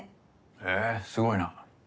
へぇすごいな。